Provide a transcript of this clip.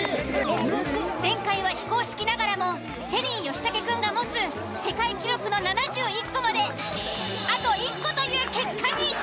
前回は非公式ながらもチェリー吉武くんが持つ世界記録の７１個まであと１個という結果に。